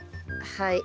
はい。